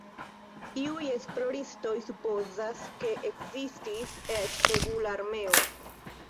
Iuj esploristoj supozas, ke ekzistis eĉ regula armeo.